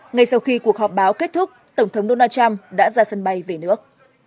ngay sau khi cuộc họp báo kết thúc tổng thống donald trump đã ra sân bay về nước